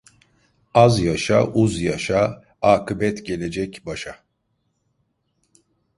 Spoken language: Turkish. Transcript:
Az yaşa, uz yaşa, akıbet gelecek başa.